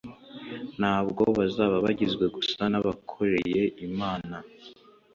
ntabwo bazaba bagizwe gusa n abakoreye imana